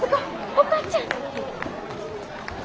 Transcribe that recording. お母ちゃん！